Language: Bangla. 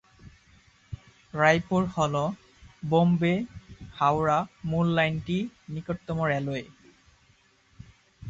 রায়পুর হ'ল বোম্বে-হাওড়া মূল লাইনটি নিকটতম রেলওয়ে।